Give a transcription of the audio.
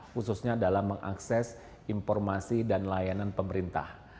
khususnya dalam mengakses informasi dan layanan pemerintah